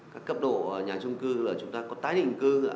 các cấp độ nhà trung cư là chúng ta có tái định cư giữa